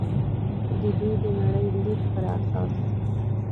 د دوی د نړۍ لید پر اساس.